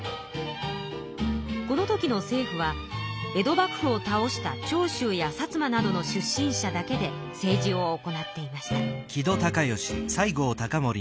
この時の政府は江戸幕府を倒した長州や薩摩などの出身者だけで政治を行っていました。